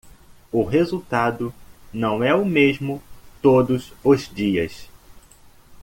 O resultado não é o mesmo todos os dias.